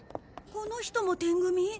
この人もテン組？